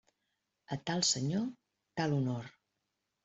A tal senyor, tal honor.